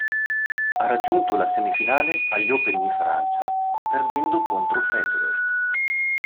Ha raggiunto la semifinale agli Open di Francia perdendo contro Federer.